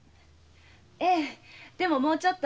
ええもうちょっと。